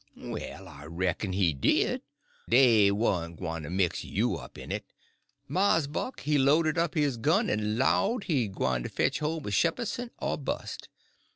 "Well, I reck'n he did! Dey warn't gwyne to mix you up in it. Mars Buck he loaded up his gun en 'lowed he's gwyne to fetch home a Shepherdson or bust.